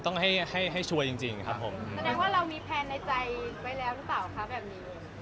แสดงว่าเรามีแพลนในใจไปแล้วหรือเปล่าครับแบบนี้